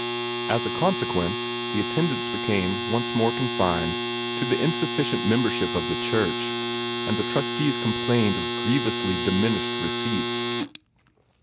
As a consequence, the attendance became once more confined to the insufficient membership of the church, and the trustees complained of grievously diminished receipts.